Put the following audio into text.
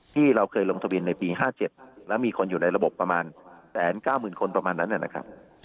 ที่เราเคยลงทบินในปีห้าเจ็ดแล้วมีคนอยู่ในระบบประมาณแสนก้าวหมื่นคนประมาณนั้นน่ะนะครับ